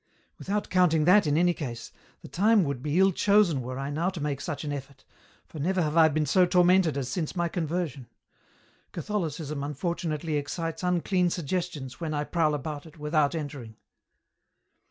" Without "counting that in any case, the time would be ill chosen were I now to make such an effort, for never have I been so tormented as since my conversion ; Catholicism unfortunately excites unclean suggestions when I prowl about it, without entering."